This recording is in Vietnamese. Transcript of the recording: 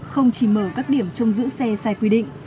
không chỉ mở các điểm trong giữ xe sai quy định